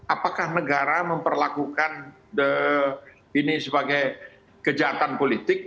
apakah negara memperlakukan ini sebagai kejahatan politik